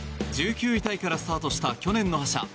１９位タイからスタートした去年の覇者